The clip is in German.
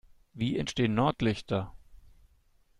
Wie entstehen Nordlichter?